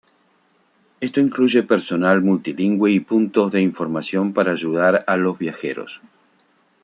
Esto incluye personal multilingüe y puntos de información para ayudar a los viajeros.